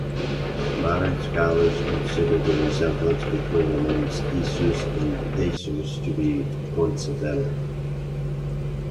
Modern scholars consider the resemblance between the names Esus and Jesus to be coincidental.